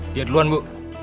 dia duluan bu